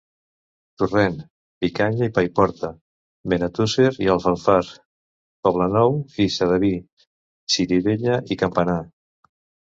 Torrent, Picanya i Paiporta, Benetússer i Alfafar, Poblenou i Sedaví, Xirivella i Campanar.